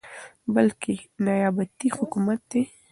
بلكې نيابتي حكومت دى ،